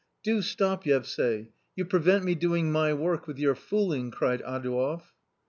" Do • stop, Yevsay ! you prevent me doing my work with your ' fooling !" cried Adouev.